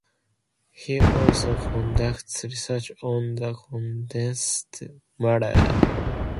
He also conducted research on condensed matter.